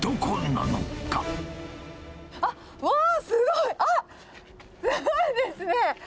すごいですね。